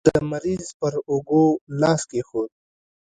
کرت د مریض پر اوږو لاس کېښود.